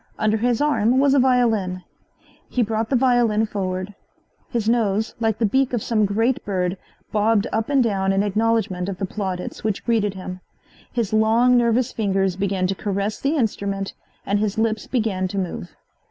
Under his arm was a violin. He brought the violin forward. His nose, like the beak of some great bird, bobbed up and down in acknowledgment of the plaudits which greeted him. His long nervous fingers began to caress the instrument and his lips began to move.